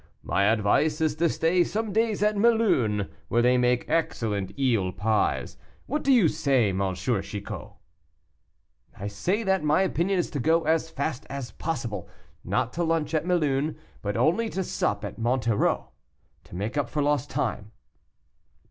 My advice is to stay some days at Mélun, where they make excellent eel pies. What do you say, M. Chicot?" "I say, that my opinion is to go as fast as possible; not to lunch at Mélun, but only to sup at Monterau, to make up for lost time."